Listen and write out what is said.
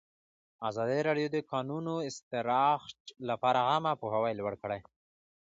ازادي راډیو د د کانونو استخراج لپاره عامه پوهاوي لوړ کړی.